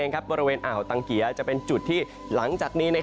ตรงนี้เองบริเวณอ่าวตังเกียจะเป็นจุดที่หลังจากนี้